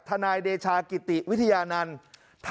นายเดชากิติวิทยานันต์